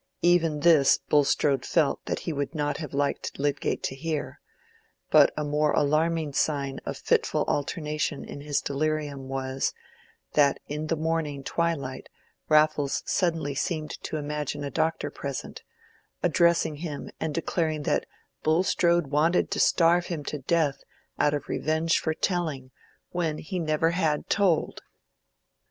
Even this Bulstrode felt that he would not have liked Lydgate to hear; but a more alarming sign of fitful alternation in his delirium was, that in the morning twilight Raffles suddenly seemed to imagine a doctor present, addressing him and declaring that Bulstrode wanted to starve him to death out of revenge for telling, when he never had told.